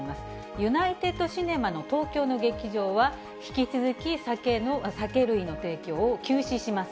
ユナイテッドシネマの東京の劇場は、引き続き酒類の提供を休止します。